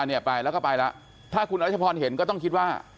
เนี่ยไปแล้วก็ไปแล้วถ้าคุณรัชพรเห็นก็ต้องคิดว่า